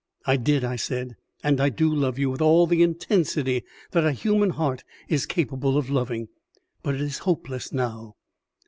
"I did," I said, "and I do love you with all the intensity that a human heart is capable of loving; but it is hopeless now."